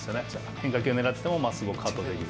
変化球狙ってても、まっすぐをカットできる。